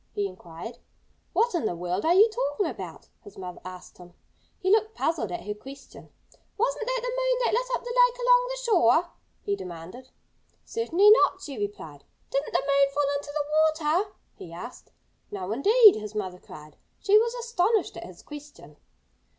he inquired. "What in the world are you talking about?" his mother asked him. He looked puzzled at her question. "Wasn't that the moon that lit up the lake along the shore?" he demanded. "Certainly not!" she replied. "Didn't the moon fall into the water?" he asked. "No, indeed!" his mother cried. She was astonished at his question.